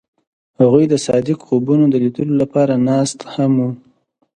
هغوی د صادق خوبونو د لیدلو لپاره ناست هم وو.